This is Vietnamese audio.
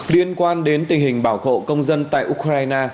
liên quan đến tình hình bảo hộ công dân tại ukraine